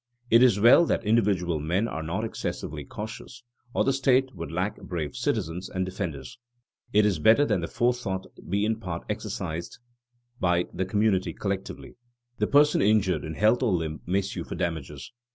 It is well that individual men are not excessively cautious, or the state would lack brave citizens and defenders. It is better that the forethought be in part exercised by the community collectively. (3) The person injured in health or limb may sue for damages.